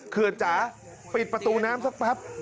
เขื่อนจ๋าปิดประตูน้ำสักแป๊บ